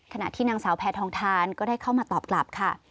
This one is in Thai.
ขณะที่นางสาวแพทองทานก็ได้เข้ามาตอบกลับค่ะ